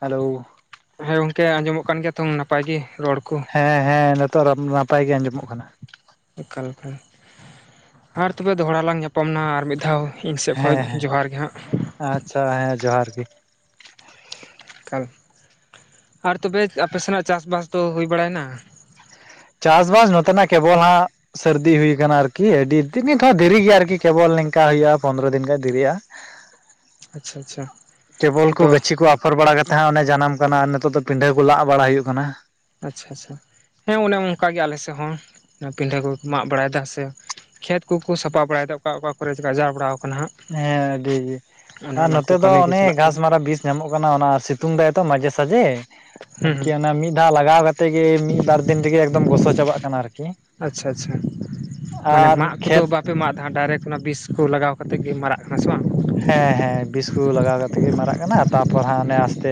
ᱦᱟᱹᱞᱟᱣ ᱦᱮᱸ ᱜᱚᱝᱠᱮ ᱟᱸᱡᱚᱢᱚᱜ ᱠᱟᱱ ᱜᱮᱭᱟ ᱛᱚ ᱱᱟᱯᱟᱭ ᱜᱮ ᱨᱚᱲ ᱠᱚ? ᱦᱮᱸ ᱦᱮᱸ ᱱᱤᱛᱚᱜ ᱫᱚ, ᱱᱟᱯᱟᱭ ᱜᱮ ᱟᱸᱡᱚᱢᱚᱜ ᱠᱟᱱᱟ ᱾ ᱚᱠᱟ ᱞᱮᱠᱟᱱ, ᱟᱨ ᱛᱚᱵᱮ ᱫᱚᱦᱚᱲᱟ ᱞᱟᱝ ᱧᱟᱯᱟᱢ ᱱᱟᱜ ᱟᱨ ᱢᱤᱫ ᱫᱷᱟᱣ ᱾ ᱤᱧ ᱥᱮᱫ ᱠᱷᱚᱡ, ᱦᱮᱸ ᱦᱮᱸ ᱡᱚᱦᱟᱨ ᱜᱮ ᱦᱟᱸᱜ ᱾ ᱟᱪᱪᱷᱟ ᱦᱮᱸ ᱡᱚᱦᱟᱨ ᱜᱮ ᱾ ᱟᱨ ᱛᱚᱵᱮ, ᱟᱯᱮ ᱥᱮᱱᱟᱜ ᱪᱟᱥᱵᱟᱥ ᱫᱚ ᱦᱩᱭ ᱵᱟᱲᱟᱭᱮᱱᱟ? ᱪᱟᱥᱵᱟᱥ ᱱᱚᱛᱮᱱᱟᱜ ᱠᱮᱵᱚᱞ ᱦᱟᱸᱜ ᱥᱟᱹᱨᱫᱤ ᱦᱩᱭᱟ ᱟᱠᱟᱱᱟ ᱟᱨᱠᱤ ᱟᱹᱰᱤ ᱫᱤᱱ, ᱱᱤᱛᱦᱚᱸ ᱫᱮᱨᱤ ᱜᱮᱭᱟ ᱟᱨᱠᱤ ᱠᱮᱵᱚᱞ ᱱᱮᱝᱠᱟ, ᱦᱩᱭᱩᱜ-ᱟ ᱯᱚᱱᱫᱽᱨᱚ ᱫᱤᱱ ᱜᱟᱱ ᱫᱮᱨᱤᱜ-ᱟ ᱾ ᱟᱪᱪᱷᱟ, ᱟᱪᱪᱷᱟ ᱾ ᱴᱮᱵᱚᱞ ᱠᱚ ᱜᱟᱹᱪᱷᱤ ᱠᱚ ᱟᱯᱷᱚᱨ ᱵᱟᱲᱟ ᱠᱟᱛᱮᱫ ᱦᱟᱜ ᱚᱱᱮ ᱡᱟᱱᱟᱢ ᱠᱟᱱᱟ ᱟᱨ ᱱᱤᱛᱚᱜ ᱫᱚ ᱯᱤᱸᱰᱟᱹ ᱠᱚ ᱞᱟᱜ ᱵᱟᱲᱟ ᱦᱩᱭᱩᱜ ᱠᱟᱱᱟ ᱟᱪᱪᱷᱟ ᱟᱪᱪᱷᱟ ᱦᱮᱸ ᱚᱱᱮ ᱚᱱᱠᱟᱜᱮ ᱟᱞᱮᱥᱮᱫ ᱦᱚᱸ ᱯᱤᱸᱰᱟᱹ ᱠᱚ ᱜᱮ ᱢᱟᱜ ᱵᱟᱲᱟᱭᱮᱫᱟ ᱥᱮ ᱾ ᱠᱷᱮᱛ ᱠᱚᱠᱚ ᱥᱟᱯᱟ ᱵᱟᱲᱟᱭᱮᱫᱟ ᱚᱠᱟ ᱚᱠᱟ ᱠᱚᱨᱮ ᱪᱚ ᱜᱟᱡᱟᱲ ᱵᱟᱲᱟ ᱟᱠᱟᱱᱟ ᱦᱟᱸᱜ ᱦᱮᱸ ᱟᱹᱰᱤ ᱡᱮ ᱚᱱᱮ ᱟᱨ ᱚᱱᱟ ᱠᱚ ᱱᱚᱛᱮ ᱫᱚ ᱠᱟᱹᱢᱤ ᱜᱮ ᱚᱱᱮ ᱪᱟᱞᱟᱜ ᱠᱟᱱᱟ ᱜᱷᱟᱥᱢᱟᱨᱟ ᱵᱤᱥ ᱧᱟᱢᱚᱜ ᱠᱟᱱᱟ ᱚᱱᱟ ᱥᱤᱛᱩᱝ ᱫᱟᱭ ᱛᱚ ᱢᱟᱡᱷᱮ ᱥᱟᱡᱷᱮ ᱦᱩᱸ ᱦᱩᱸ ᱟᱨᱠᱤ ᱚᱱᱟ ᱢᱤᱫ ᱫᱷᱟᱣ ᱞᱟᱜᱟᱣ ᱠᱟᱛᱮᱫ ᱜᱮ ᱢᱤᱫ ᱵᱟᱨ ᱫᱤᱱ ᱨᱮᱜᱮ ᱮᱠᱫᱚᱢ ᱜᱚᱥᱚ ᱪᱟᱵᱟᱜ ᱠᱟᱱᱟ ᱟᱨᱠᱤ ᱟᱪᱪᱷᱟ ᱟᱪᱪᱷᱟ ᱟᱨ ᱠᱷᱮᱛ ᱯᱮ ᱢᱟᱜ ᱫᱟ ᱰᱟᱭᱨᱮᱠᱴ ᱚᱱᱟ ᱵᱤᱥ ᱠᱚ ᱞᱟᱜᱟᱣ ᱠᱟᱛᱮᱫ ᱜᱮ ᱢᱟᱨᱟᱜ ᱠᱟᱱᱟ ᱥᱮ ᱵᱟᱝ ᱦᱮᱸ ᱦᱮᱸ ᱵᱤᱥ ᱠᱚ ᱞᱟᱜᱟᱣ ᱠᱟᱛᱮ ᱜᱮ ᱢᱟᱨᱟᱜ ᱠᱟᱱᱟ ᱛᱟᱨᱯᱚᱨ ᱦᱟᱸᱜ ᱚᱱᱮ ᱟᱥᱛᱮ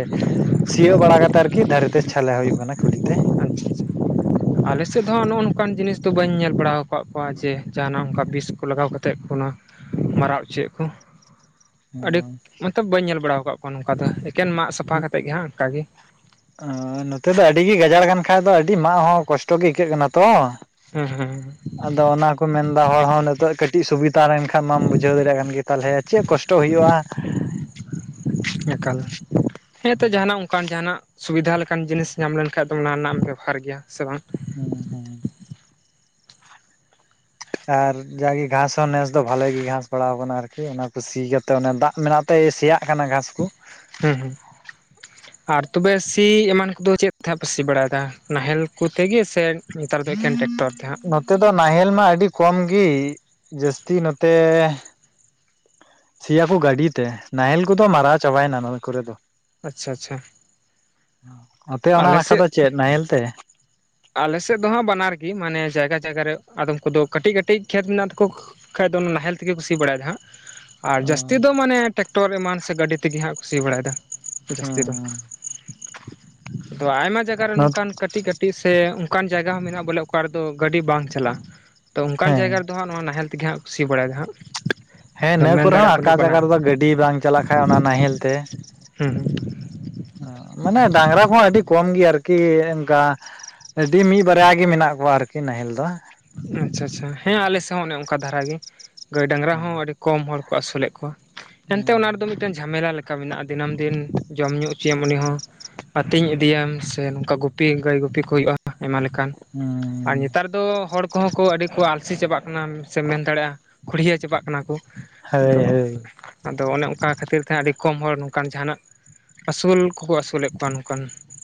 ᱥᱤᱭᱳᱜ ᱵᱟᱲᱟ ᱠᱟᱛᱮᱫ ᱟᱨᱠᱤ ᱫᱷᱟᱨᱮ ᱛᱮ ᱪᱷᱟᱞᱮ ᱦᱩᱭᱩᱜ ᱠᱟᱱᱟ ᱠᱩᱰᱤ ᱛᱮ ᱟᱪᱪᱷᱟ ᱟᱪᱪᱷᱟ ᱟᱞᱮ ᱥᱮᱫ ᱦᱚᱸᱟᱸ ᱱᱚᱜ-ᱚᱝᱠᱟ ᱚᱱᱠᱟᱱ ᱡᱤᱱᱤᱥ ᱫᱚ ᱵᱟᱹᱧ ᱧᱮᱞ ᱵᱟᱲᱟ ᱟᱠᱟᱫ ᱠᱚᱣᱟ ᱡᱮ ᱡᱟᱦᱟᱱᱟᱜ ᱚᱱᱠᱟ ᱵᱤᱥ ᱠᱚ ᱞᱟᱜᱟᱣᱛᱮᱫ ᱚᱱᱟ ᱢᱟᱨᱟᱣ ᱦᱚᱪᱚᱭᱮᱫ ᱠᱚ ᱟᱹᱰᱤ ᱢᱚᱛᱚᱵ ᱵᱟᱹᱧ ᱧᱮᱞ ᱵᱟᱲᱟ ᱟᱠᱟᱫ ᱠᱚᱣᱟ ᱱᱚᱝᱠᱟ ᱫᱚ ᱮᱠᱮᱱ ᱢᱟᱜ ᱥᱟᱯᱷᱟ ᱠᱟᱛᱮᱫ ᱜᱮ ᱦᱟᱸᱜ ᱚᱱᱠᱟ ᱜᱮ ᱱᱚᱛᱮ ᱫᱚ ᱟᱹᱰᱤ ᱜᱮ ᱜᱟᱡᱟᱲ ᱟᱠᱟᱱ ᱠᱷᱟᱡ ᱫᱚ ᱟᱹᱰᱤ ᱢᱟᱜ ᱦᱚᱸ ᱠᱚᱥᱴᱚ ᱜᱮ ᱟᱹᱭᱠᱟᱹᱜ ᱠᱟᱱᱟ ᱛᱚ ᱦᱮᱸ ᱦᱮᱸ ᱟᱫᱚ ᱚᱱᱟ ᱠᱚ ᱢᱮᱱ ᱮᱫᱟ ᱦᱚᱲ ᱦᱚᱸ ᱱᱤᱛᱚᱜ ᱠᱟᱹᱴᱤᱡ ᱥᱩᱵᱤᱫᱷᱟ ᱞᱮᱱᱠᱷᱟᱱᱟ ᱢᱟᱢ ᱵᱩᱡᱷᱟᱹᱣ ᱫᱟᱲᱮᱭᱟᱜ ᱠᱟᱱ ᱜᱮ ᱛᱟᱦᱚᱞᱮ ᱪᱮᱫ ᱠᱚᱥᱴᱚ ᱦᱩᱭᱩᱜ-ᱟ ᱮᱠᱟᱞ ᱦᱮᱸᱛᱚ ᱡᱟᱦᱱᱟᱜ ᱚᱱᱠᱟ ᱚᱱᱠᱟᱱ ᱡᱟᱦᱱᱟᱜ ᱥᱩᱵᱤᱫᱷᱟ ᱞᱮᱠᱟᱱ ᱡᱤᱱᱤᱥ ᱧᱟᱢ ᱞᱮᱱᱠᱷᱟᱱ ᱫᱚ ᱚᱱᱟ ᱨᱮᱱᱟᱜ ᱮᱢ ᱵᱮᱵᱚᱦᱟᱨ ᱜᱮᱭᱟ ᱥᱮ ᱵᱟᱝ ᱦᱩᱸ ᱦᱩᱸ ᱟᱨ ᱡᱟᱜᱮ ᱜᱷᱟᱸᱥ ᱦᱚᱸ ᱱᱮᱥ ᱫᱚ ᱵᱷᱟᱞᱮᱜ ᱜᱮ ᱜᱷᱟᱸᱥ ᱵᱟᱲᱟ ᱟᱠᱟᱱᱟ ᱟᱨᱠᱤ ᱚᱱᱟᱠᱩ ᱥᱤ ᱠᱟᱛᱮ ᱫᱟᱜ ᱢᱮᱱᱟᱜ ᱛᱮ ᱥᱮᱭᱟᱜ ᱠᱟᱱᱟ ᱜᱷᱟᱸᱥ ᱠᱚ ᱦᱩᱸ ᱦᱩᱸ ᱟᱨ ᱛᱚᱵᱮ ᱥᱤ ᱮᱢᱟᱱ ᱠᱚᱫᱚ ᱪᱮᱫ ᱛᱮ ᱯᱮ ᱥᱤ ᱵᱟᱲᱟᱭᱮᱫᱟ ᱱᱟᱦᱮᱞ ᱠᱚᱛᱮ ᱜᱮ ᱥᱮ ᱱᱮᱛᱟᱨ ᱫᱚ ᱮᱠᱮᱱ ᱴᱮᱠᱴᱚᱨ ᱛᱮ ᱦᱟᱸᱜ ᱱᱚᱛᱮ ᱫᱚ ᱱᱟᱦᱮᱞ ᱢᱟ ᱟᱹᱰᱤ ᱠᱚᱢ ᱜᱮ ᱡᱟᱹᱥᱛᱤ ᱱᱚᱛᱮ ᱥᱤᱭᱟ ᱠᱚ ᱜᱟᱹᱰᱤ ᱛᱮ ᱱᱟᱦᱮᱞ ᱠᱚᱫᱚ ᱢᱟᱨᱟᱣ ᱪᱟᱵᱟᱭᱱᱟ ᱱᱚ ᱠᱚᱨᱮ ᱫᱚ ᱟᱪᱪᱷᱟ ᱟᱪᱪᱷᱟ ᱟᱯᱮ ᱚᱱᱟ ᱱᱟᱠᱷᱟ ᱫᱚ ᱪᱮᱫ ᱱᱟᱦᱮᱞ ᱛᱮ ᱟᱞᱮᱥᱮᱫ ᱫᱚ ᱦᱟᱸᱜ ᱵᱟᱱᱟᱨ ᱜᱮ ᱢᱟᱱᱮ ᱡᱟᱭᱜᱟ ᱡᱟᱭᱜᱟ ᱨᱮ ᱟᱫᱚᱢ ᱠᱚᱫᱚ ᱠᱟᱹᱴᱤᱡ ᱠᱟᱹᱴᱤᱡ ᱠᱷᱮᱛ ᱢᱮᱱᱟᱜ ᱛᱟᱠᱚ ᱠᱷᱟᱡ ᱫᱚ ᱚᱱᱟ ᱱᱟᱦᱮᱞ ᱛᱮᱜᱮ ᱠᱚ ᱥᱤ ᱵᱟᱲᱟᱭᱟ ᱦᱟᱸᱜ ᱟᱨ ᱚ ᱡᱟᱹᱥᱛᱤ ᱫᱚ ᱢᱟᱱᱮ ᱴᱮᱠᱴᱚᱨ ᱮᱢᱟᱱ ᱥᱮ ᱜᱟᱹᱰᱤ ᱛᱮᱜᱮ ᱦᱟᱸᱜ ᱠᱩ ᱥᱤ ᱵᱟᱲᱟᱭᱮᱫᱟ ᱡᱟᱹᱥᱛᱤ ᱫᱚ ᱦᱮᱸ ᱟᱫᱚ ᱟᱭᱢᱟ ᱡᱟᱭᱜᱟ ᱨᱮ ᱱᱚᱝᱠᱟᱱ ᱠᱟᱹᱴᱤᱡ ᱠᱟᱹᱴᱤᱡ ᱥᱮ ᱚᱱᱠᱟᱱ ᱡᱟᱭᱜᱟ ᱦᱚᱸ ᱢᱮᱱᱟᱜ-ᱟ ᱵᱚᱞᱮ ᱚᱠᱟ ᱨᱮᱫᱚ ᱜᱟᱹᱰᱤ ᱵᱟᱝ ᱪᱟᱞᱟᱜ-ᱟ ᱛᱚ ᱚᱱᱠᱟ ᱦᱮᱸ ᱡᱟᱭᱜᱟ ᱨᱮᱫᱚ ᱦᱟᱸᱜ ᱱᱚᱣᱟ ᱱᱟᱦᱮᱞ ᱛᱮᱜᱮ ᱦᱟᱸᱜ ᱠᱚ ᱥᱤ ᱵᱟᱲᱟᱭᱫᱟ ᱦᱟᱸᱜ ᱦᱮᱸ ᱟᱫᱚᱢ ᱤᱱᱟ ᱹ ᱢᱮᱱ ᱠᱚᱨᱮ ᱦᱚᱸ ᱫᱟᱲᱮᱭᱟᱜᱼᱟ ᱵᱚᱞᱮ ᱟᱠᱟ ᱡᱟᱭᱜᱟ ᱵᱟᱱᱟᱨ ᱨᱮᱫᱚ ᱜᱮ ᱜᱟᱹᱰᱤ ᱵᱟᱝ ᱪᱟᱞᱟᱜ ᱠᱷᱟᱱ ᱚᱱᱟ ᱱᱟᱦᱮᱞ ᱛᱮ ᱦᱩᱸ ᱦᱩᱸ ᱢᱟᱱᱮ ᱰᱟᱝᱨᱟ ᱠᱚᱦᱚᱸ ᱟᱹᱰᱤ ᱠᱚᱢ ᱜᱮᱭᱟ ᱟᱨᱠᱤ ᱚᱱᱠᱟ ᱟᱹᱰᱤ ᱢᱤᱫ ᱵᱟᱨᱭᱟ ᱜᱮ ᱢᱮᱱᱟᱜ ᱠᱚᱣᱟ ᱟᱨᱠᱤ ᱱᱟᱦᱮᱞ ᱫᱚ ᱟᱪᱪᱷᱟ ᱟᱪᱪᱷᱟ ᱦᱮᱸ ᱟᱞᱮᱥᱮᱫ ᱦᱚᱸ ᱚᱱᱮ ᱚᱱᱠᱟ ᱫᱷᱟᱨᱟ ᱜᱮ ᱜᱟᱹᱭ ᱰᱟᱝᱨᱟ ᱦᱚᱸ ᱟᱹᱰᱤ ᱠᱚᱢ ᱦᱚᱲ ᱠᱚ ᱟᱹᱥᱩᱞᱮᱫ ᱠᱚᱣᱟ, ᱮᱱᱛᱮ ᱚᱱᱟ ᱨᱮᱫᱚ ᱢᱤᱫᱴᱮᱱ ᱡᱷᱟᱢᱮᱞᱟ ᱞᱮᱠᱟ ᱢᱮᱱᱟᱜᱼᱟ᱾ ᱫᱤᱱᱟᱹᱢ ᱫᱤᱱ ᱡᱚᱢ ᱧᱩ ᱚᱪᱚᱭᱮᱢ ᱩᱱᱤ ᱦᱚᱸ, ᱟᱛᱤᱧ ᱤᱫᱤᱭᱮᱢ ᱥᱮ ᱱᱚᱝᱠᱟ ᱜᱩᱯᱤ ᱜᱟᱹᱭ ᱜᱩᱯᱤ ᱠᱚ ᱦᱩᱭᱩᱜᱼᱟ᱾ ᱟᱭᱢᱟ ᱞᱮᱠᱟᱱ ᱟᱨ ᱱᱮᱛᱟᱨ ᱫᱚ ᱦᱚᱲ ᱠᱚ ᱦᱚᱸ ᱠᱚ ᱟᱹᱰᱤ ᱠᱚ ᱟᱞᱥᱤ ᱪᱟᱵᱟᱜ ᱠᱟᱱᱟ, ᱥᱮ ᱢᱮᱱ ᱫᱟᱲᱮᱭᱟᱜᱼᱟ, ᱠᱷᱩᱲᱭᱟᱹ ᱪᱟᱵᱟᱜ ᱠᱟᱱᱟ ᱠᱚ᱾ ᱛᱚ ᱦᱳᱭ ᱦᱳᱭ᱾ ᱟᱫᱚ ᱚᱱᱮ ᱚᱱᱠᱟ ᱠᱷᱟᱹᱛᱤᱨ ᱛᱮ ᱟᱹᱰᱤ ᱠᱚᱢ ᱦᱚᱲ ᱱᱚᱝᱠᱟᱱ ᱡᱟᱦᱟᱱᱟᱜ ᱟᱹᱥᱩᱞ ᱠᱚᱠᱚ ᱟᱹᱥᱩᱞᱮᱫ ᱠᱚᱣᱟ ᱱᱚᱝᱠᱟᱱ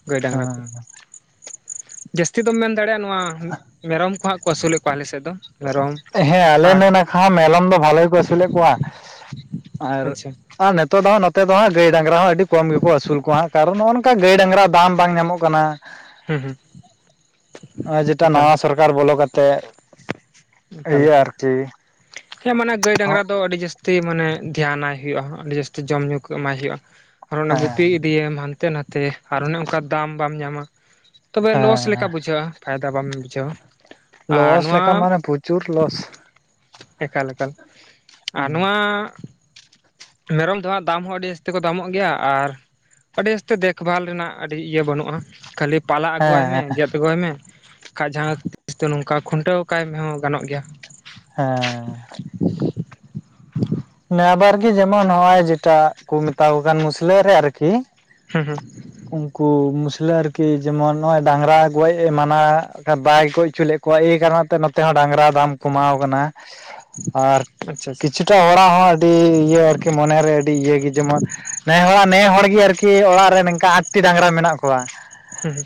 ᱜᱟᱹᱭ ᱰᱟᱝᱨᱟ ᱠᱚ ᱦᱮᱸᱻ ᱡᱟᱹᱥᱛᱤ ᱫᱚᱢ ᱢᱮᱱ ᱫᱟᱲᱮᱭᱟᱜᱼᱟ, ᱱᱚᱣᱟ ᱢᱮᱨᱚᱢ ᱠᱚᱦᱟᱸᱜ ᱠᱚ ᱟᱹᱥᱩᱞᱮᱫ ᱠᱚᱣᱟ ᱟᱞᱮᱥᱮᱫ ᱫᱚ᱾ ᱢᱮᱨᱚᱢ ᱦᱮᱸ ᱟᱞᱮ ᱟᱨ ᱱᱮ ᱱᱟᱠᱷᱟ ᱢᱮᱞᱚᱢ ᱫᱚ ᱵᱷᱟᱞᱮ ᱜᱮ ᱠᱚ ᱟᱹᱥᱩᱞᱮᱫ ᱠᱚᱣᱟ ᱟᱨ᱾ ᱟᱪᱪᱷᱟ ᱟᱨ ᱱᱤᱛᱚᱜ ᱫᱚ ᱦᱟᱸᱜ ᱱᱚᱛᱮ ᱫᱚ ᱦᱟᱸᱜ ᱜᱟᱹᱭ ᱰᱟᱝᱨᱟ ᱦᱚᱸ ᱟᱹᱰᱤ ᱠᱚᱢ ᱜᱮᱠᱚ ᱟᱹᱥᱩᱞ ᱠᱚᱣᱟᱟᱸᱜ ᱠᱚᱱ ᱱᱚᱜᱼᱚ ᱱᱚᱝᱠᱟ ᱜᱟᱹᱭ ᱰᱟᱝᱨᱟ ᱫᱟᱢ ᱵᱟᱝ ᱧᱟᱢᱚᱜ ᱠᱟᱱᱟ ᱦᱩᱸ ᱦᱩᱸ᱾ ᱟ ᱡᱮᱴᱟ ᱮᱠᱟᱞ ᱱᱟᱣᱟ ᱥᱚᱨᱠᱟᱨ ᱵᱚᱞᱚ ᱠᱟᱛᱮᱜ ᱤᱭᱟᱹ ᱮᱠᱟᱞ-ᱮᱠᱟᱞ ᱟᱨᱠᱤ ᱦᱮᱸ ᱢᱟᱱᱮ ᱜᱟᱹᱭ ᱰᱟᱝᱨᱟ ᱫᱚ ᱟᱹᱰᱤ ᱡᱟᱹᱥ ᱭᱤ ᱢᱟᱱᱮ ᱫᱷᱮᱭᱟᱱᱟᱭ ᱦᱩᱭᱩᱜᱼᱟ, ᱟᱹᱰᱤ ᱡᱟᱹᱥᱛᱤ ᱡᱚᱢ ᱧᱩ ᱠᱚ ᱮᱢᱟᱭ ᱦᱩᱭᱩᱜᱼᱟ, ᱟᱨ ᱚᱱᱟ ᱜᱩᱯᱤ ᱦᱮᱸ ᱯᱤᱭᱮᱢ ᱦᱟᱱᱛᱮ ᱱᱟᱛᱮ ᱟᱨ ᱚᱱᱮ ᱚᱝᱠᱟ ᱫᱟᱢ ᱵᱟᱢ ᱧᱟᱢᱟ᱾ ᱛᱚᱵᱮ ᱞᱚᱥ ᱞᱮᱠᱟ ᱦᱮᱸ ᱵᱩᱡᱷᱟᱹᱜᱼᱟ ᱯᱷᱟᱭᱫᱟ ᱵᱟᱢ ᱵᱩᱡᱷᱟᱹᱣᱟ᱾ ᱟᱨ ᱞᱚᱥ ᱱᱚᱣᱟ ᱞᱮᱠᱟ ᱢᱟᱱᱮ ᱯᱩᱪᱩᱨ ᱞᱚᱥ᱾ ᱮᱠᱟᱞ ᱮᱠᱟᱞ ᱟᱨ ᱱᱚᱣᱟ ᱢᱮᱨᱚᱢ ᱫᱚ ᱦᱟᱸᱜ ᱫᱟᱢ ᱦᱚᱸ ᱟᱹᱰᱤ ᱡᱟᱹᱥᱛᱤ ᱠᱚ ᱫᱟᱢᱚᱜ ᱜᱮᱭᱟ, ᱟᱨ ᱟᱹᱰᱤ ᱡᱟᱥᱛᱮ ᱫᱮᱠᱷᱵᱷᱟᱞ ᱨᱮᱱᱟᱜ ᱟᱹᱰᱤ ᱤᱭᱟᱹ ᱵᱟᱹᱱᱩᱜᱼᱟ᱾ ᱠᱷᱟᱹᱞᱤ ᱯᱟᱞᱟ ᱟᱹᱜᱩᱭᱣᱟᱭ ᱢᱮ, ᱦᱮᱸ ᱜᱮᱫ ᱟᱹᱜᱩᱣᱟᱭ ᱢᱮ, ᱵᱟᱠᱷᱟᱡ ᱡᱟᱦᱟᱸ ᱛᱤᱥ ᱫᱚ ᱱᱚᱝᱠᱟ ᱠᱷᱩᱱᱴᱟᱹᱣ ᱠᱟᱭ ᱢᱮᱦᱚᱸ ᱜᱟᱱᱚᱜ ᱜᱮᱭᱟ᱾ ᱦᱮᱸᱻ [inaudible] ᱮᱵᱟᱨ ᱜᱤ ᱡᱮᱢᱚᱱ ᱦᱚᱸᱜᱼᱚᱭ ᱡᱮᱴᱟ ᱠᱚ ᱢᱮᱛᱟᱣ ᱠᱚ ᱠᱟᱱ ᱢᱩᱥᱞᱟᱹ ᱨᱮ ᱟᱨᱠᱤ ᱦᱩᱸ ᱦᱩᱸ᱾ ᱩᱝᱠᱩ ᱢᱩᱥᱞᱟᱹ ᱟᱨᱠᱤ ᱡᱮᱢᱚᱱ ᱱᱚᱜᱼᱚᱭ ᱰᱟᱝᱨᱟ ᱜᱚᱡ ᱢᱟᱱᱟ ᱵᱟᱭ ᱜᱚᱡ ᱦᱚᱪᱚ ᱞᱮᱫ ᱠᱚᱣᱟ ᱮᱭ ᱠᱟᱨᱚᱱᱟᱜ ᱛᱮ ᱱᱚᱛᱮ ᱦᱚᱸ ᱰᱟᱝᱨᱟ ᱫᱟᱢ ᱠᱚᱢᱟᱣ ᱠᱟᱱᱟ᱾ [inaudible] ᱟᱨ ᱟᱪᱪᱷᱟ ᱟᱪᱪᱷᱟ ᱦᱩᱸ ᱠᱤᱪᱷᱩᱴᱟ ᱦᱚᱲᱟᱜ ᱦᱚᱸ ᱟᱹᱰᱤ ᱤᱭᱟᱹ ᱟᱨᱠᱤ ᱢᱚᱱᱮᱨᱮ ᱟᱹᱰᱤ ᱤᱭᱟᱹ ᱜᱮ ᱡᱮᱢᱚᱱ ᱱᱮ ᱦᱚᱲᱟᱜ ᱱᱮ ᱦᱚᱲ ᱜᱤ ᱟᱨᱠᱤ ᱚᱲᱟᱜ ᱨᱮ ᱱᱚᱝᱠᱟ ᱟᱴᱴᱤ ᱰᱟᱝᱨᱟ ᱢᱮᱱᱟᱜ ᱠᱚᱣᱟ᱾ ᱦᱩᱸ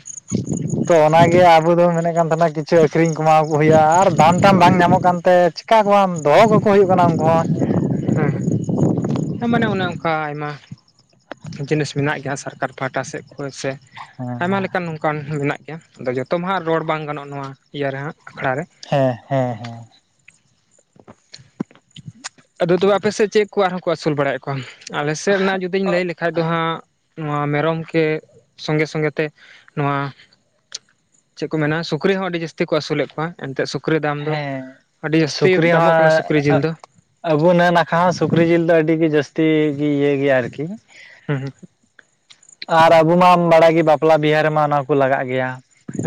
ᱛᱚ ᱚᱱᱟᱜᱮ ᱟᱵᱚ ᱫᱚ ᱢᱮᱱᱮᱫ ᱠᱟᱱ ᱛᱟᱸᱦᱮᱱᱟ ᱠᱤᱪᱷᱩ ᱟᱹᱠᱷᱨᱤᱧ ᱠᱚᱢᱟᱟᱣ ᱠᱚ ᱦᱩᱭᱩᱜᱼᱟ, ᱟᱨ ᱫᱟᱢ ᱴᱟᱢ ᱵᱟᱝ ᱧᱟᱢᱚᱜ ᱠᱟᱱᱛᱮ ᱪᱮᱠᱟ ᱠᱚᱢ ᱫᱚᱦᱚ ᱠᱟᱠᱚ ᱦᱩᱭᱩᱜ ᱠᱟᱱᱟ ᱩᱱᱠᱩ ᱦᱚᱸ᱾ ᱦᱮᱸ ᱦᱮᱸ ᱢᱟᱱᱮ ᱚᱱᱮ ᱚᱱᱠᱟ ᱟᱭᱢᱟ ᱡᱤᱱᱤᱥ ᱢᱮᱱᱟᱜ ᱜᱮᱭᱟ ᱥᱟᱨᱠᱟᱨ ᱯᱟᱦᱴᱟ ᱥᱮᱫ ᱠᱷᱚᱱ ᱥᱮ ᱟᱭᱢᱟ ᱞᱮᱠᱟᱱ ᱱᱚᱝ ᱠᱟᱱ ᱢᱮᱱᱟᱜ ᱜᱮᱭᱟ, ᱟᱫᱚ ᱡᱚᱛᱚ ᱢᱟ ᱦᱟᱸᱟᱜ ᱨᱚᱲ ᱵᱟᱝ ᱜᱟᱱᱚᱜᱼᱟ, ᱱᱚᱣᱟ ᱤᱭᱟᱹ ᱨᱮ ᱦᱟᱸᱜ ᱟᱠᱷᱲᱟ ᱨᱮ᱾ ᱦᱮᱸ ᱦᱮᱸ ᱦᱮᱸ᱾ ᱟᱫᱚ ᱛᱚᱵᱮ ᱟᱯᱮ ᱥᱮᱫ ᱪᱮᱜ ᱠᱚ ᱟᱨᱦᱚᱸ ᱠᱚ ᱟᱹᱥᱩᱞ ᱵᱟᱲᱟᱭᱮᱫ ᱠᱚᱣᱟ? ᱟᱞᱮ ᱥᱮᱫ ᱱᱟᱜ ᱡᱩᱫᱤ ᱞᱟᱹᱭ ᱦᱮᱸ ᱞᱮᱠᱷᱟᱡ ᱫᱚ ᱦᱟᱸᱜ ᱱᱚᱣᱟ ᱢᱮᱨᱚᱢ ᱠᱮ ᱥᱚᱸᱜᱮ ᱥᱚᱸᱜᱮ ᱛᱮ ᱱᱚᱣᱟ ᱪᱮᱜᱠᱩ ᱢᱮᱱᱟ ᱥᱩᱠᱨᱤᱦ ᱟᱹᱰᱤ ᱡᱟᱹᱥᱛᱤ ᱠᱚ ᱟᱹᱥᱩᱞᱮᱫ ᱠᱚᱣᱟ᱾ ᱮᱱᱛᱮᱷ ᱥᱩᱠᱨᱤ ᱫᱟᱢ ᱫᱚ, ᱦᱮᱸ ᱟᱹᱰᱤ ᱡᱟᱹᱥᱛᱤ ᱥᱩᱠᱨᱤ ᱫᱟᱢᱚᱜ ᱠᱟᱱᱟ ᱦᱚᱸ ᱥᱩᱠᱨᱤ ᱡᱤᱞ ᱫᱚ᱾ ᱟᱵᱚ ᱱᱟᱹ ᱱᱟᱠᱷᱟ ᱦᱚᱸ ᱥᱩᱠᱨᱤ ᱡᱤᱞ ᱫᱚ ᱟᱹᱰᱤ ᱜᱤ ᱡᱟᱹᱥᱛᱤ ᱜᱤ ᱤᱭᱟᱹ ᱜᱮᱭᱟ ᱟᱨᱠᱤ᱾ ᱦᱩᱸ ᱦᱩᱸ ᱟᱨ ᱟᱵᱩ ᱢᱟᱢ ᱵᱟᱲᱟᱭ ᱜᱮ ᱵᱟᱯᱞᱟ ᱵᱤᱦᱟᱨ ᱨᱮ ᱢᱟ ᱚᱱᱟ ᱠᱚ ᱞᱟᱜᱟᱜ ᱜᱮᱭᱟ᱾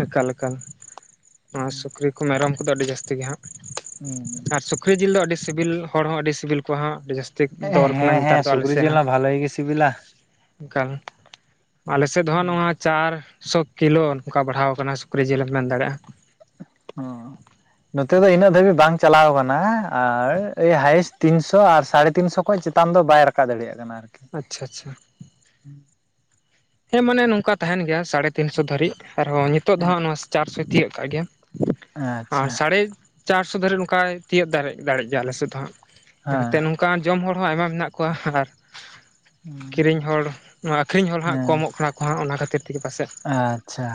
ᱮᱠᱟᱞ ᱮᱠᱟᱞ, ᱱᱚᱣᱟ ᱥᱩᱠᱨᱤ ᱠᱚ ᱢᱮᱨᱚᱢ ᱠᱚᱫᱚ ᱟᱹᱰᱤ ᱡᱟᱹᱥᱛᱤ ᱜᱮ ᱦᱟᱸᱟᱜ ᱟᱨ ᱥᱩᱠᱨᱤ ᱡᱤᱞ ᱫᱚ ᱟᱹᱰᱤ ᱥᱤᱵᱤᱞ ᱦᱚᱲ ᱦᱚᱸ ᱟᱹᱰᱤ ᱥᱤᱵᱤᱞ ᱠᱚᱣᱟ ᱦᱚᱸ ᱟᱹᱰᱤ ᱡᱟᱹᱥ ᱛᱤᱜ ᱫᱚᱨ ᱠᱟᱱᱟ ᱦᱮᱸ ᱧᱮᱛᱟᱨ ᱦᱮᱸ ᱫᱚ ᱟᱞᱮ ᱥᱩᱠᱨᱤ ᱥᱮᱫ ᱡᱤᱞ ᱦᱟᱸᱜ᱾ ᱦᱚᱸ ᱵᱷᱟᱞᱮ ᱜᱮ ᱥᱤᱵᱤᱞᱟ ᱮᱠᱟᱞ ᱟᱞᱮᱥᱮᱜ ᱫᱚ ᱦᱟᱸᱜ ᱱᱚᱣᱟ ᱪᱟᱨᱥᱚ ᱠᱤᱞᱚ ᱚᱝᱠᱟ ᱵᱟᱲᱦᱟᱣ ᱟᱠᱟᱱᱟ ᱥᱩᱠᱨᱤ ᱡᱤᱞᱮᱢ ᱢᱮᱱ ᱫᱟᱲᱮᱭᱟᱜᱼᱟ᱾ ᱚ ᱱᱚᱛᱮ ᱫᱚ ᱤᱱᱟᱹᱜ ᱫᱷᱟᱹᱵᱤᱡ ᱵᱟᱝ ᱪᱟᱞᱟᱣ ᱠᱟᱱᱟ, ᱟᱨ ᱮᱭ ᱦᱟᱭᱮᱥᱴ ᱛᱤᱱᱥᱚ ᱟᱨ ᱥᱟᱲᱮ ᱛᱤᱱᱥᱚ ᱠᱷᱚᱡ ᱪᱮ ᱛᱟᱱ ᱫᱚ ᱵᱟᱭ ᱨᱟᱠᱟᱵ ᱫᱟᱲᱮᱭᱟᱜ ᱠᱟᱱᱟ ᱟᱨᱠᱤ᱾ ᱟᱪᱪᱷᱟ ᱟᱪᱪᱷᱟ ᱦᱮᱸ ᱢᱟᱱᱮ ᱱᱚᱝᱠᱟ ᱛᱟᱦᱮᱱ ᱜᱮᱭᱟ ᱥᱟᱲᱮ ᱛᱤᱱᱥᱚ ᱫᱷᱟᱹᱨᱤᱡ ᱟᱨᱦᱚᱸ ᱧᱤᱛᱚᱜ ᱫᱚ ᱦᱟᱸᱜ ᱱᱚᱣᱟ ᱪᱟᱨᱥᱚ ᱛᱤᱭᱟᱹᱜ ᱠᱟᱜ ᱜᱮᱭᱟ᱾ ᱟᱨ ᱟᱪᱪᱷᱟ ᱥᱟᱲᱮ ᱪᱟᱨᱥᱚ ᱫᱷᱟᱹᱨᱤᱡ ᱱᱚᱠᱟᱭ ᱛᱤᱭᱟᱹᱜ ᱫᱟᱲᱮᱜ ᱫᱟᱲᱮᱜ ᱜᱮᱭᱟ ᱟᱞᱮ ᱥᱮᱜ ᱫᱚ ᱦᱟᱸᱜ᱾ ᱮᱱᱛᱮᱜ ᱱᱚᱝᱠᱟᱱ ᱡᱚᱢ ᱦᱚᱲ ᱦᱚᱸ ᱟᱭᱢᱟ ᱢᱮᱱᱟᱜ ᱠᱚᱣᱟ ᱟᱨ ᱦᱮᱸ ᱠᱤᱨᱤᱧ ᱦᱚᱲ ᱟᱹᱠᱷᱨᱤᱧ ᱦᱚᱲ ᱦᱟᱸᱜ ᱦᱮᱸ ᱠᱚᱢᱚᱜ ᱠᱟᱱᱟ ᱠᱚ ᱦᱟᱸᱜ ᱚᱱᱟ ᱠᱷᱟᱹᱛᱤᱨ ᱛᱮᱜᱮ ᱯᱟᱥᱮᱜ ᱟᱪᱪᱷᱟ